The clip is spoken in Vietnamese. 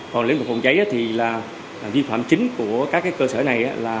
còn lĩnh vực phòng cháy vi phạm chính của các cơ sở này